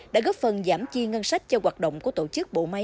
đã góp phần giảm chi ngân sách cho hoạt động của tổ chức bộ máy